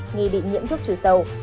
nghi bị nhiễm thuốc trừ sâu